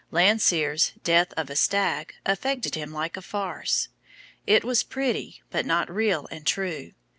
Landseer's "Death of a Stag" affected him like a farce. It was pretty, but not real and true.